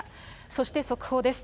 そして速報です。